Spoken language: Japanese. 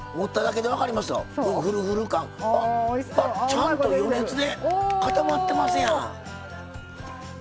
ちゃんと余熱で固まってますやん。